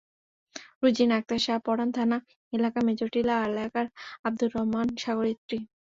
রুজিনা আক্তার শাহ পরান থানা এলাকার মেজরটিলা এলাকার আবদুর রহমান সাগরের স্ত্রী।